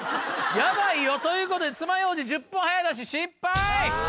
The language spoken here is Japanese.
ヤバいよということでつまようじ１０本早出し失敗！